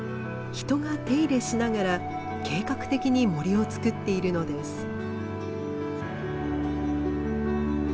人が手入れしながら計画的に森を作っているのです。